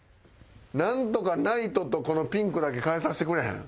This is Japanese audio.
なんとかナイトとこのピンクだけ変えさせてくれへん？